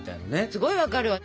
すごい分かるわ。